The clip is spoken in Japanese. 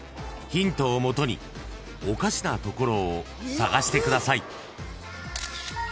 ［ヒントをもとにおかしなところを探してください］